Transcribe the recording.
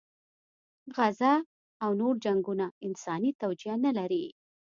غزه او نور جنګونه انساني توجیه نه لري.